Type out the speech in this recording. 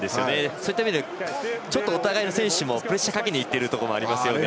そういった意味ではお互いの選手もプレッシャーかけにいっているところもありますね